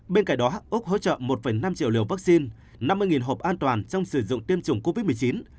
bên cạnh đó úc hỗ trợ một năm triệu liều vaccine năm mươi hộp an toàn trong sử dụng tiêm chủng covid một mươi chín